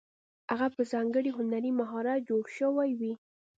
هغه په ځانګړي هنري مهارت جوړې شوې وې.